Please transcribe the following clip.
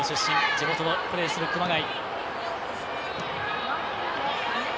地元でプレーする熊谷。